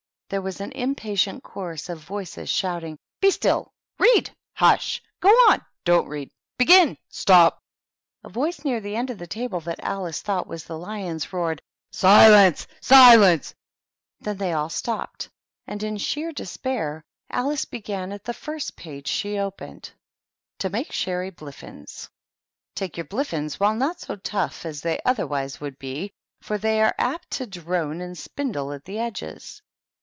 There was an impatient chorus of voices shouting, —" Be stm I" " Read !"" Hush !"" Go on !" ''Don't read !" Begin !" Stop !" A voice near the end of the table that Alice thought was the Lion's roared, "Silence! Silenced Then they all stopped, and in sheer despair Alice began at the first page she opened upon. " TO MAKE SHERR Y BLIFFIN8. " Take your blifflns while not so tough as they otherwise would bey for they are apt to drone and it a 74 THE TEA TABLE. spindle at the edges.